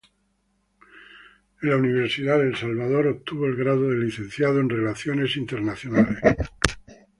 En la Universidad de El Salvador, obtuvo el grado de Licenciado en Relaciones Internacionales.